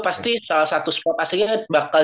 pasti salah satu spot aslinya bakal